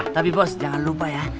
tapi bos jangan lupa ya